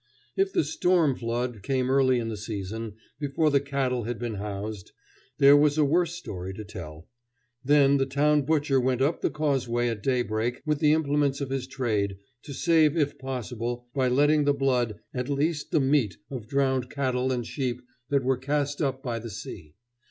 If the "storm flood" came early in the season, before the cattle had been housed, there was a worse story to tell. Then the town butcher went upon the causeway at daybreak with the implements of his trade to save if possible, by letting the blood, at least the meat of drowned cattle and sheep that were cast up by the sea.